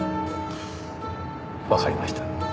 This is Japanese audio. わかりました。